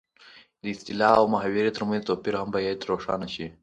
د اصطلاح او محاورې ترمنځ توپیر هم باید روښانه شي